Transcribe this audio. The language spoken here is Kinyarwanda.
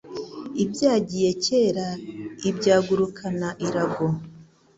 Ibyagiye kera ibyagurukana irago